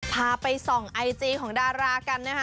พาไปส่องไอจีของดารากันนะคะ